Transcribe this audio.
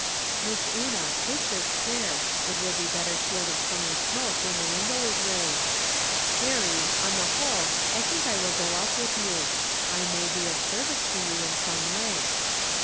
" Miss Una, take this chair ; it will be better shielded from the smoke when the window is raised. Perry, on the whole, I think I wUl go up with you. I may be of service to you in some way."